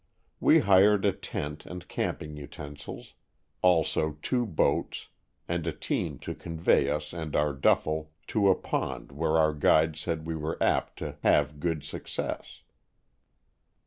We hired a tent and camping utensils, also two boats and a team to convey us and our "duffle" to a pond where our guides said we were apt to 41 Stories from the Adirondack^. have good success.